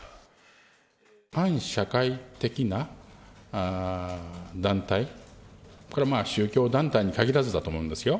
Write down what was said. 反社会的な団体、これは宗教団体に限らずだと思うんですよ。